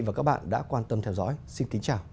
và các bạn đã quan tâm theo dõi xin kính chào